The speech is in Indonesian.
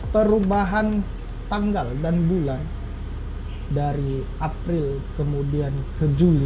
perubahan tanggal dan bulan dari april kemudian ke juli